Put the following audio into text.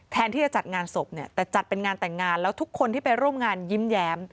ที่จะจัดงานศพเนี่ยแต่จัดเป็นงานแต่งงานแล้วทุกคนที่ไปร่วมงานยิ้มแย้ม